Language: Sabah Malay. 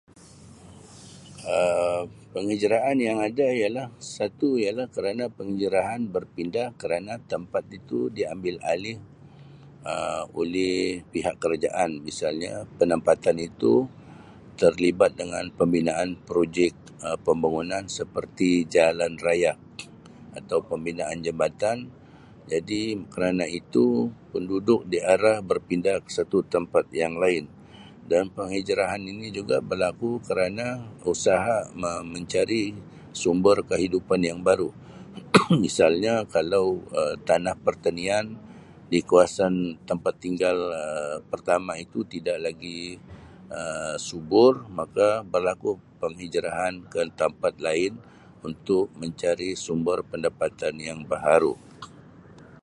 Um Penghijraan yang ada ialah satu ialah kerana penghijraan berpindah kerana tempat itu diambil alih Um oleh pihak kerajaan misalnya penampatan itu terlibat dengan pembinaan projek Um pembangunan seperti jalan raya atau pembinaan jambatan jadi kerana itu penduduk diarah berpindah ke satu tempat yang lain dan penghijraan ini juga berlaku kerana usaha me- mencari sumber kehidupan yang baru misalnya kalau Um tanah pertanian di kawasan tempat tinggal Um pertama itu tidak lagi Um subur maka berlaku penghijraan ke tampat lain untuk mencari sumber pendapatan yang baharu.